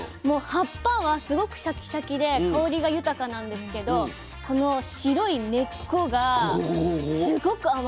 もう葉っぱはすごくシャキシャキで香りが豊かなんですけどこの白い根っこがここここここ。